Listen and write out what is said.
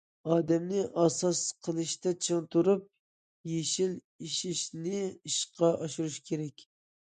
ئادەمنى ئاساس قىلىشتا چىڭ تۇرۇپ، يېشىل ئېشىشنى ئىشقا ئاشۇرۇش كېرەك.